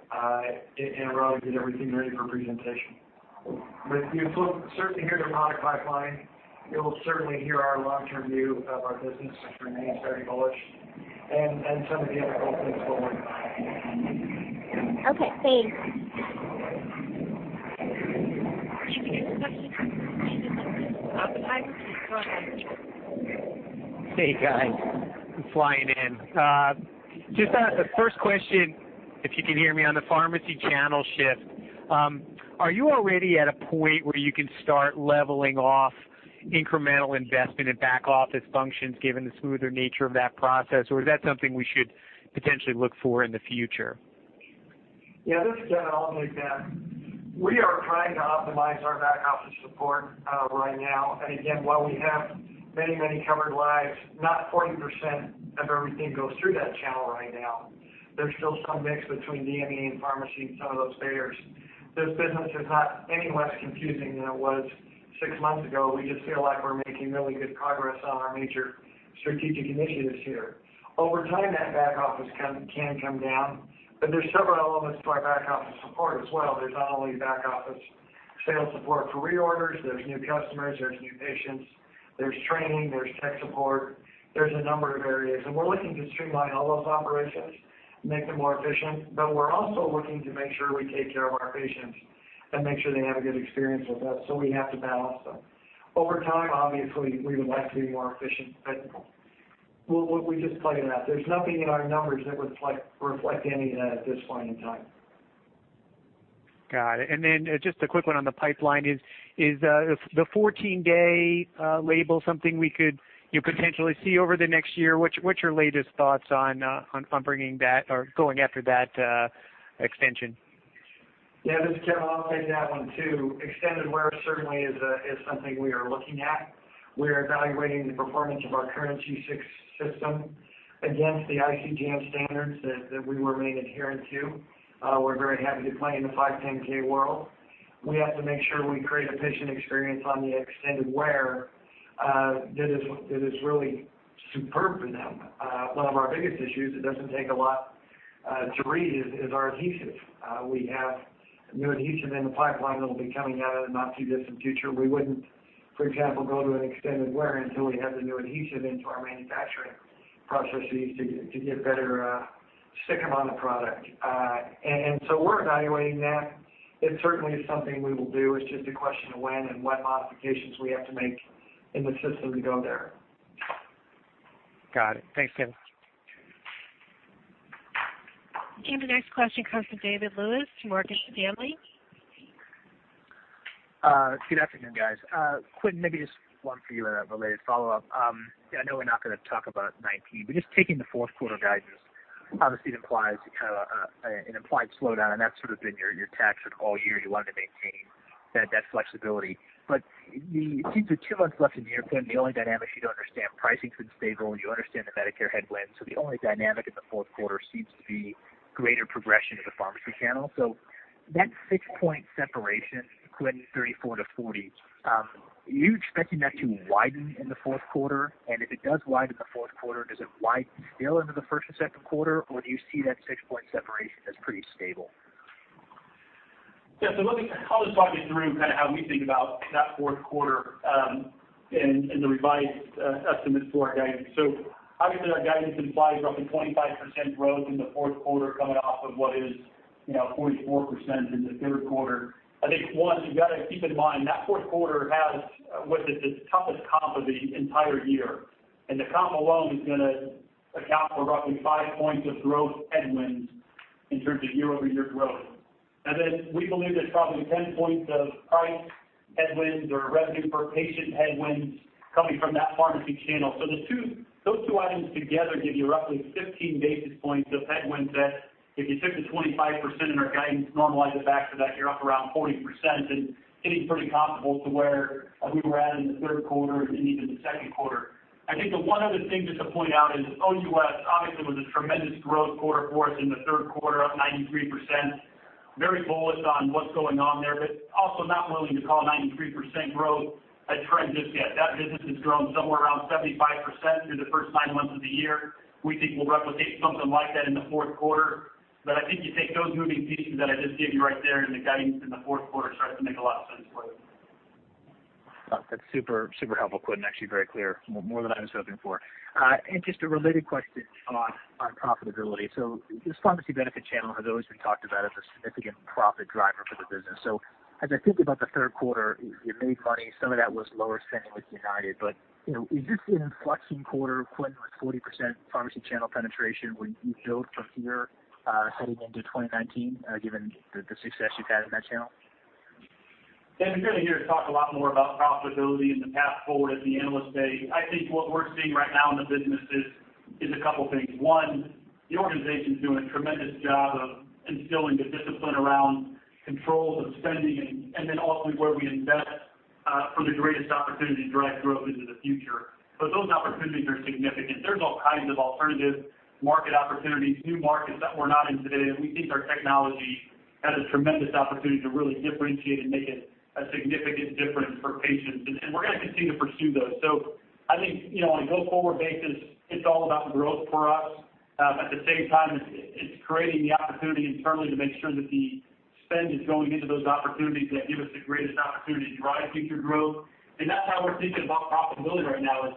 in a row to get everything ready for presentation, but you'll certainly hear the [product pipeline]. You'll certainly hear our long-term view of our business, which remains very bullish, and some of the other. Okay. Thanks. Please go ahead. Hey, guys. I'm flying in. Just the first question, if you can hear me on the pharmacy channel shift, are you already at a point where you can start leveling off incremental investment in back office functions given the smoother nature of that process, or is that something we should potentially look for in the future? Yeah. This is Kevin. I'll take that. We are trying to optimize our back office support right now. Again, while we have many, many covered lives, not 40% of everything goes through that channel right now. There's still some mix between DME and pharmacy, and some of those payers. This business is not any less confusing than it was six months ago. We just feel like we're making really good progress on our major strategic initiatives here. Over time, that back office can come down, but there's several elements to our back office support as well. There's not only back office sales support for reorders. There's new customers. There's new patients. There's training. There's tech support. There's a number of areas and we're looking to streamline all those operations, make them more efficient. We're also looking to make sure we take care of our patients and make sure they have a good experience with us, so we have to balance them. Over time, obviously we would like to be more efficient, we just play it out. There's nothing in our numbers that would reflect any of that at this point in time. Got it, and then just a quick one on the pipeline. Is the 14-day label something we could potentially see over the next year? What's your latest thoughts on bringing that or going after that extension? Yeah. This is Kevin. I'll take that one too. Extended wear certainly is something we are looking at. We are evaluating the performance of our current G6 system against the iCGM standards that we remain adherent to. We're very happy to play in the 510(k) world. We have to make sure we create a patient experience on the extended wear that is really superb for them. One of our biggest issues, it doesn't take a lot to read, is our adhesive. We have new adhesive in the pipeline that will be coming out in the not-too-distant future. We wouldn't, for example, go to an extended wear until we had the new adhesive into our manufacturing processes, to get better stick on our product. We're evaluating that. It certainly is something we will do. It's just a question of when and what modifications we have to make in the system to go there. Got it. Thanks, Kevin. The next question comes from David Lewis from Morgan Stanley. Good afternoon, guys. Quentin, maybe just one for you in a related follow-up. I know we're not going to talk about 2019, but just taking the fourth-quarter guidance, obviously it implies kind of an implied slowdown and that's sort of been your tactic for all year. You wanted to maintain that flexibility. Since there's two months left in the year, Quentin, the only dynamic, you do understand pricing's been stable. You understand the Medicare headwinds, so the only dynamic in the fourth quarter seems to be greater progression of the pharmacy channel. That six-point separation, Quentin, 34%-40%, are you expecting that to widen in the fourth quarter? If it does widen in the fourth quarter, does it widen still into the first and second quarter or do you see that six-point separation as pretty stable? Yeah. I'll just walk you through kind of how we think about that fourth quarter, and the revised estimates for our guidance. Obviously, our guidance implies roughly 25% growth in the fourth quarter, coming off of what is 44% in the third quarter. I think, one, you've got to keep in mind that fourth quarter has what is the toughest comp of the entire year. The comp alone is going to account for roughly five points of growth headwinds in terms of year-over-year growth. Then we believe there's probably 10 points of price headwinds or revenue per patient headwinds coming from that pharmacy channel. Those two items together give you roughly 15 basis points of headwinds that, if you took the 25% in our guidance, normalize it back so that you're up around 40%, and getting pretty comparable to where we were at in the third quarter and even the second quarter. I think the one other thing just to point out is OUS obviously was a tremendous growth quarter for us in the third quarter, up 93%. Very bullish on what's going on there, but also not willing to call 93% growth a trend just yet. That business has grown somewhere around 75% through the first nine months of the year. We think we'll replicate something like that in the fourth quarter. I think you take, those moving pieces that I just gave you right there in the guidance in the fourth quarter start to make a lot of sense for you. That's super helpful, Quentin. Actually, very clear. More than I was hoping for, and just a related question on profitability. This pharmacy benefit channel has always been talked about as a significant profit driver for the business. As I think about the third quarter, you made money. Some of that was lower spending with United. Is this an inflection quarter, Quentin, with 40% pharmacy channel penetration where you build from here heading into 2019, given the success you've had in that channel? Yeah. I'm certainly here to talk a lot more about profitability and the path forward as the analysts say. I think what we're seeing right now in the business is a couple of things. One, the organization's doing a tremendous job of instilling the discipline around controls of spending, and then ultimately where we invest for the greatest opportunity to drive growth into the future. Those opportunities are significant. There's all kinds of alternative market opportunities, new markets that we're not in today. We think our technology has a tremendous opportunity to really differentiate, and make a significant difference for patients. We're going to continue to pursue those. I think on a go-forward basis, it's all about growth for us. At the same time, it's creating the opportunity internally to make sure that the spend is going into those opportunities that give us the greatest opportunity to drive future growth. That's how we're thinking about profitability right now, is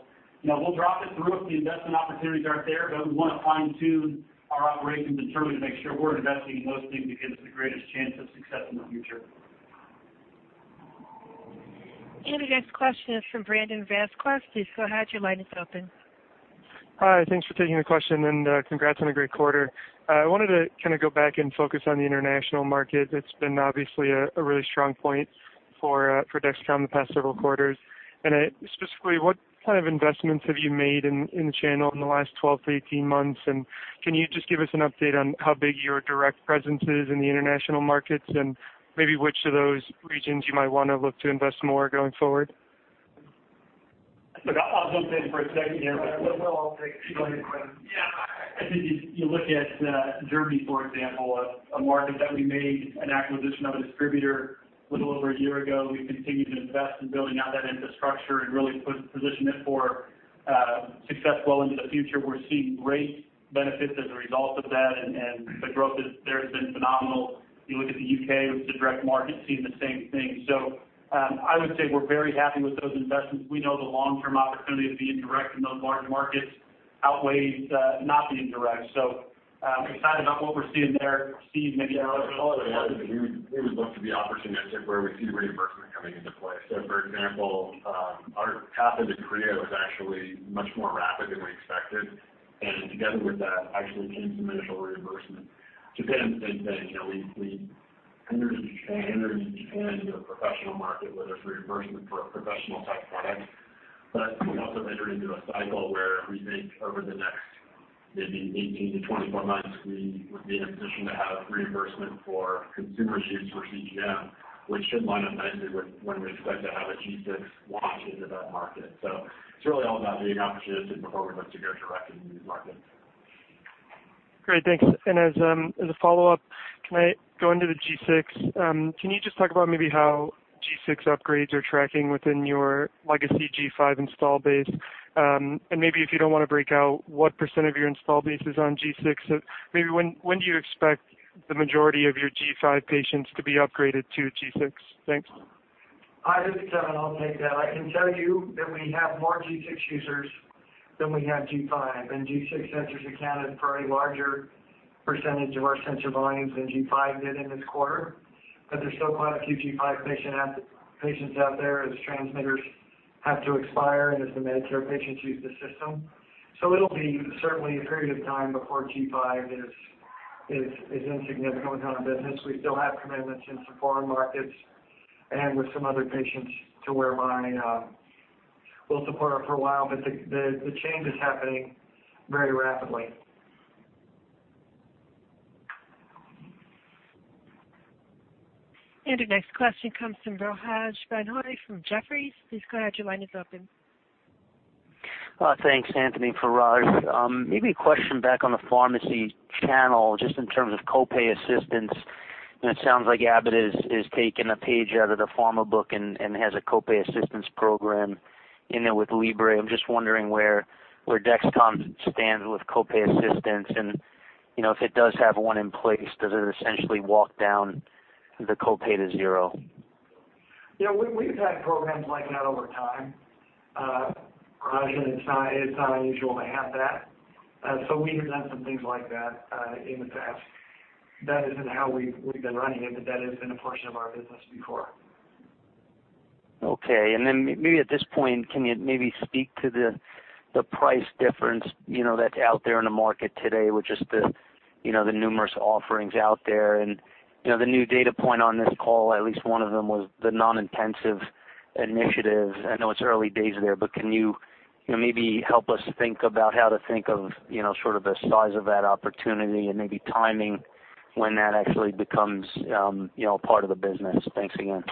we'll drop it through if the investment opportunities aren't there, but we want to fine-tune [our operations internally] to make sure we're investing in those things that give us the greatest chance of success in the future. The next question is from Brandon Vazquez. Please go ahead. Your line is open. Hi. Thanks for taking the question, and congrats on a great quarter. I wanted to kind of go back and focus on the international market. It's been obviously a really strong point for Dexcom the past several quarters, and specifically, what kind of investments have you made in the channel in the last 12-18 months? Can you just give us an update on how big your direct presence is in the international markets, and maybe which of those regions you might want to look to invest more going forward? Look, I'll jump in for a second here. Yeah. Go ahead, Quentin. Yeah. I think you look at Germany, for example, a market that we made, an acquisition of a distributor a little over a year ago. We've continued to invest in building out that infrastructure, and really position it for success well into the future. We're seeing great benefits as a result of that, and the growth there has been phenomenal. You look at the U.K., which is a direct market, seeing the same thing. I would say we're very happy with those investments. We know the long-term opportunity of being direct in those large markets outweighs not being direct, so excited about what we're seeing there. Steve, maybe. Yeah. I would also add that we always look to be opportunistic where we see reimbursement coming into play. For example, our path into Korea was actually much more rapid than we expected. Together with that, actually came some initial reimbursement. Japan's. We entered into Japan. Entering into Japan, into a professional market where there's reimbursement for a professional-type [product]. We also entered into a cycle where we think over the next maybe 18-24 months, we would be in a position to have reimbursement for consumer use for CGM, which should line up nicely with when we expect to have a G6 launch into that market. It's really all about being opportunistic before we look to go direct into these markets. Great, thanks. As a follow-up, can I go into the G6? Can you just talk about maybe how G6 upgrades are tracking within your legacy G5 installed base? Maybe if you don't want to break out, what percent of your installed base is on G6? Maybe when do you expect the majority of your G5 patients to be upgraded to G6? Thanks. Hi. This is Kevin. I'll take that. I can tell you that we have more G6 users than we have G5. G6 sensors accounted for a larger percentage of our sensor volumes than G5 did in this quarter, but there's still quite a few G5 patients out there, as transmitters have to expire and as the Medicare patients use the system. It'll be certainly a period of time before G5 is insignificant within our business. We still have commitments in some foreign markets and with some other patients to where we'll support it for a while, but the change is happening very rapidly. The next question comes from Raj Denhoy from Jefferies. Please go ahead. Your line is open. Thanks, Anthony for Raj. Maybe a question back on the pharmacy channel just in terms of copay assistance. It sounds like Abbott has taken a page out of the pharma book, and has a copay assistance program in there with Libre. I'm just wondering where Dexcom stands with copay assistance, and if it does have one in place, does it essentially walk down the copay to zero? Yeah. We've had programs like that over time, Raj, and it's not unusual to have that. We've done some things like that in the past. That isn't how we've been running it, but that has been a portion of our business before. Okay. Then maybe at this point, can you maybe speak to the price difference that's out there in the market today with just the numerous offerings out there? The new data point on this call, at least one of them was the non-intensive initiative. I know it's early days there, but can you maybe help us think about how to think of sort of the size of that opportunity and maybe timing when that actually becomes part of the business? Thanks again.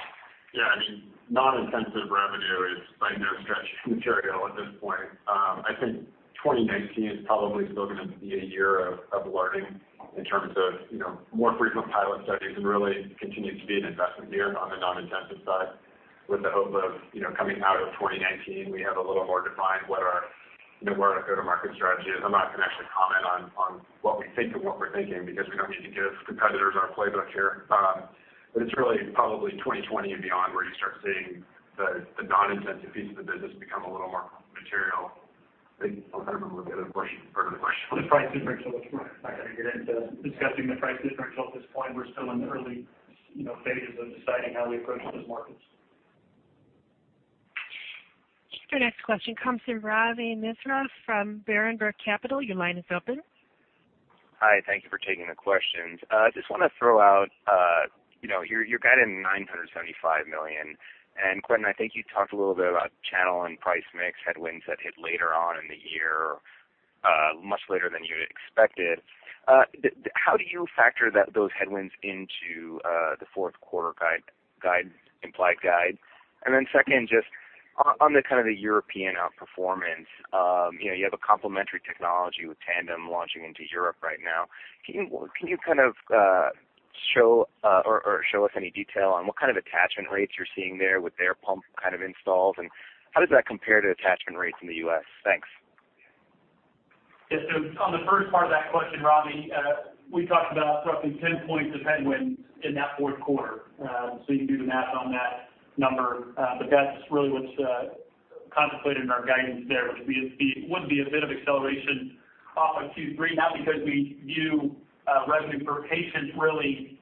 Yeah. I mean, non-intensive revenue is by no stretch material at this point. I think 2019 is probably still going to be a year of learning in terms of more frequent pilot studies, and really continues to be an investment year on the non-intensive side, with the hope of coming out of 2019, we have a little more defined what our go-to-market strategy is. I'm not going to actually comment on what we think and what we're thinking, because we don't need to give competitors our playbook here. It's really probably 2020 and beyond where you start seeing the non-intensive piece of the business become a little more material. I think I don't remember the other part of the question. The price differential is what I'm not going to get into, discussing the price differential at this point. We're still in the early phases of deciding how we approach those markets. And our next question comes from Ravi Misra from Berenberg Capital Markets. Your line is open. Hi. Thank you for taking the questions. I just want to throw out your guide in $975 million. Quentin, I think you talked a little bit about channel and price mix headwinds that hit later on in the year, much later than you expected. How do you factor those headwinds into the fourth-quarter implied guide? Then second, just on kind of the European outperformance, you have a complementary technology with Tandem launching into Europe right now. Can you kind of show us any detail on what kind of attachment rates you're seeing there with their pump kind of installs? How does that compare to attachment rates in the U.S.? Thanks. Yeah. On the first part of that question, Ravi, we talked about roughly 10 points of headwinds in that fourth quarter. You can do the math on that number. That's really what's contemplated in our guidance there, which would be a bit of acceleration off of Q3, not because we view revenue per patient really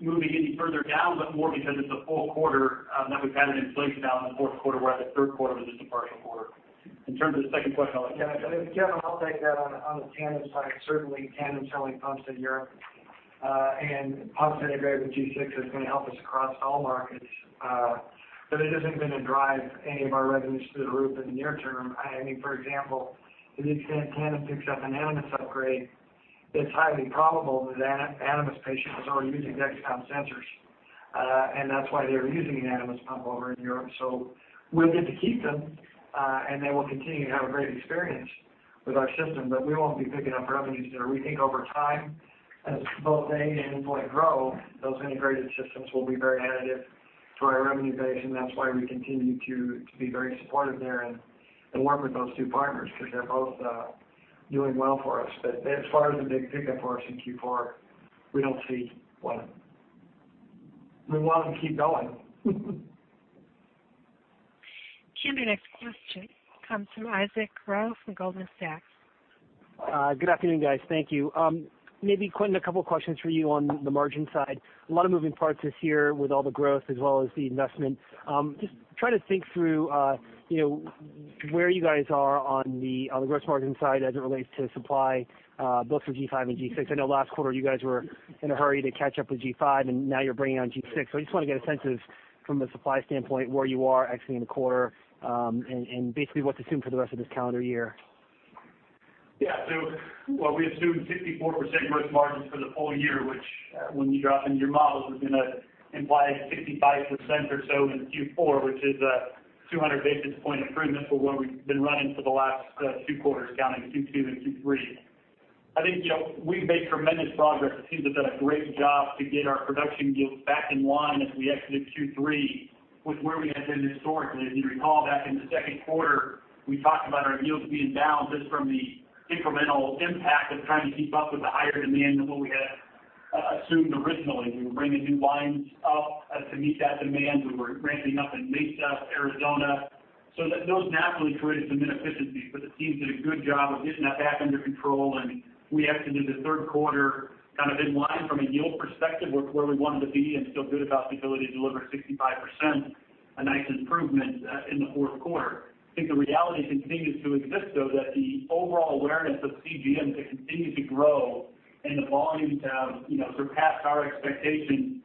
moving any further down, but more because it's a full quarter, that we've had an inflation out in the fourth quarter, where the third quarter was just a partial quarter. In terms of the second question, I'll let you answer. Yeah. Kevin, I'll take that on the Tandem side. Certainly, Tandem's selling pumps in Europe, and pumps integrated with G6 are going to help us across all markets. It hasn't been a drive of any of our revenues through the roof in the near term. I mean, for example, to the extent Tandem picks up an Animas upgrade, it's highly probable that Animas patients are already using Dexcom sensors, and that's why they were using an Animas pump over in Europe. We'll get to keep them, and they will continue to have a great experience with our system, but we won't be picking up revenues there. We think over time, as both they and Insulet grow, those integrated systems will be very additive to our revenue base. That's why we continue to be very supportive there, and work with those two partners because they're both doing well for us. As far as a big pickup for us in Q4, we don't see. We want them to keep going. The next question comes from Isaac Ro from Goldman Sachs. Good afternoon, guys. Thank you. Maybe, Quentin, a couple of questions for you on the margin side. A lot of moving parts this year, with all the growth as well as the investment. Just trying to think through where you guys are on the gross margin side as it relates to supply, both for G5 and G6. I know last quarter you guys were in a hurry to catch up with G5, and now you're bringing on G6. I just want to get a sense of, from a supply standpoint where you are exiting the quarter, and basically what to assume for the rest of this calendar year. Yeah. What we assumed, 64% gross margins for the full year, which when you drop into your models is going to imply 65% or so in Q4, which is a 200 basis point improvement from where we've been running for the last two quarters, counting Q2 and Q3. I think we've made tremendous progress. It seems they've done a great job to get our production yields back in line as we exited Q3, with where we had been historically. As you recall, back in the second quarter, we talked about our yields being down just from the incremental impact of trying to keep up with the higher demand than what we had assumed originally. We were bringing new lines up to meet that demand. We were ramping up in Mesa, Arizona. Those naturally created some inefficiencies. It seems they did a good job of getting that back under control. We exited the third quarter kind of in line from a yield perspective with where we wanted to be, and still good about the ability to deliver 65%, a nice improvement in the fourth quarter. I think the reality continues to exist though, that the overall awareness of CGM to continue to grow and the volumes have surpassed our expectations.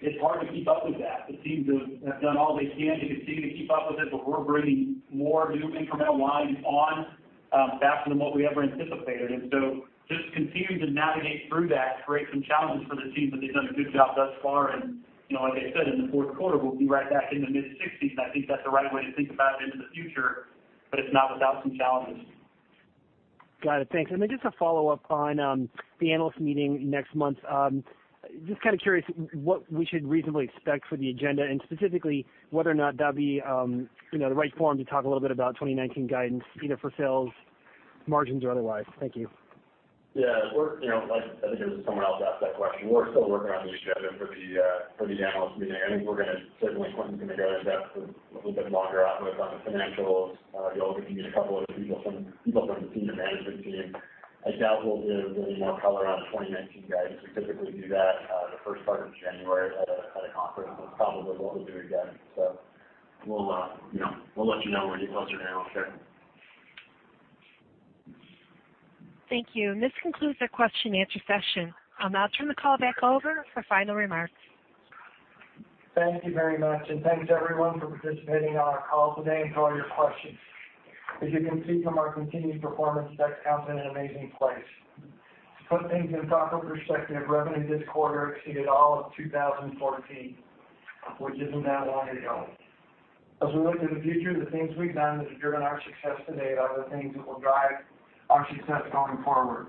It's hard to keep up with that. The teams have done all they can to continue to keep up with it, but we're bringing more new incremental lines on faster than what we ever anticipated. Just continuing to navigate through that creates some challenges for the team, but they've done a good job thus far. Like I said, in the fourth quarter, we'll be right back in the mid-60s. I think that's the right way to think about it into the future, but it's not without some challenges. Got it, thanks. Then just a follow-up on the analyst meeting next month. Just kind of curious what we should reasonably expect for the agenda and specifically whether, or not that'll be the right forum to talk a little bit about 2019 guidance, either for sales, margins, or otherwise. Thank you. Yeah. I think someone else asked that question. We're still working on the agenda for the analyst meeting. I think Quentin's going to go in depth a little bit longer out with on the financials. You'll get to meet a couple of other people from the senior management team. I doubt we'll give any more color on the 2019 guidance. We typically do that the first part of January at a conference. That's probably what we'll do again, so we'll let you know when you. Thank you. This concludes our question-and-answer session. I'll now turn the call back over for final remarks. Thank you very much, and thanks, everyone for participating in our call today and for all your questions. As you can see from our continued performance, Dexcom's in an amazing place. To put things in proper perspective, revenue this quarter exceeded all of 2014, which isn't that long ago. As we look to the future, the things we've done that have driven our success today are the things that will drive our success going forward,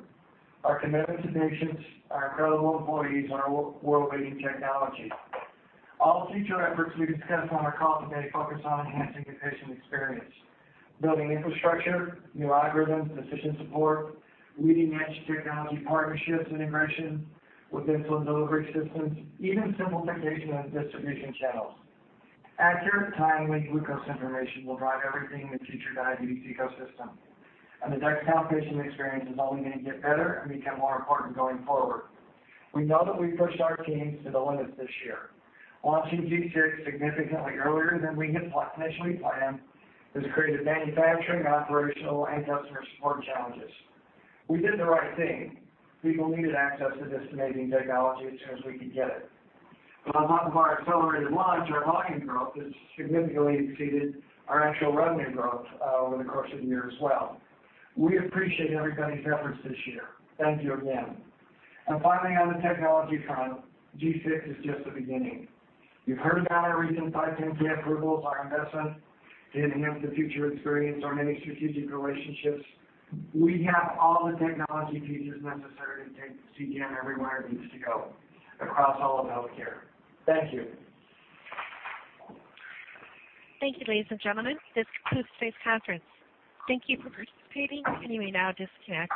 our commitment to patients, our incredible employees, and our world-leading technology. All future efforts we discuss on our call today focus on enhancing the patient experience, building infrastructure, new algorithms, decision support, leading-edge technology partnerships, integration with insulin delivery systems, even simplification of distribution channels. Accurate, timely glucose information will drive everything in the future diabetes ecosystem, and the Dexcom patient experience is only going to get better and become more important going forward. We know that we pushed our teams to the limits this year. Launching G6 significantly earlier than we initially planned has created manufacturing, operational, and customer support challenges. We did the right thing. People needed access to this amazing technology as soon as we could get it. On top of our accelerated launch, our volume growth has significantly exceeded our actual revenue growth over the course of the year as well. We appreciate everybody's efforts this year. Thank you again. Finally, on the technology front, G6 is just the beginning. You've heard about our recent 510(k) approvals, our investments to enhance the future experience and many strategic relationships. We have all the technology pieces necessary to take CGM everywhere it needs to go across all of healthcare. Thank you. Thank you, ladies and gentlemen. This concludes today's conference. Thank you for participating, and you may now disconnect.